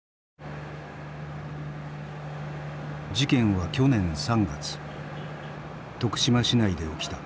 事件は去年３月徳島市内で起きた。